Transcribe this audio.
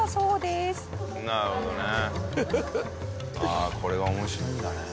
ああこれが面白いんだね。